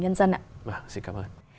nhân dân ạ vâng xin cảm ơn